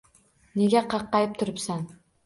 Nega qaqqayib turibsan